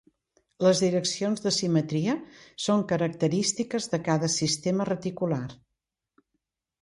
Les direccions de simetria són característiques de cada sistema reticular.